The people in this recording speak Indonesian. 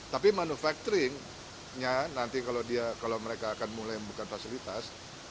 tapi manufacturingnya nanti kalau mereka akan mulai membuka fasilitas